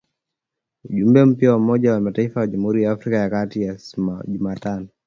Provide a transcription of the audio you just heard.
Mjumbe mpya wa Umoja wa mataifa kwa Jamhuri ya Afrika ya kati siku ya Jumatano